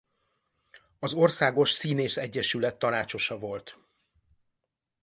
Az Országos Színészegyesület tanácsosa volt.